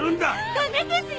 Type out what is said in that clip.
ダメですよ